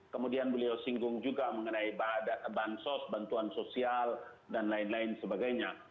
kemudian beliau singgung juga mengenai bansos bantuan sosial dan lain lain sebagainya